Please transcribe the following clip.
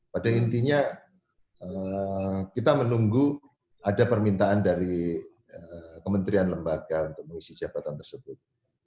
pada intinya kita menunggu ada permintaan dari kementerian lembaga untuk mengisi jabatan tersebut